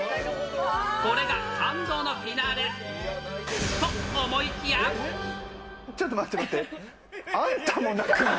これが感動のフィナーレ、ちょっと待って、待って。